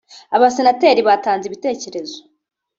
Abasenateri batanze ibitekerezo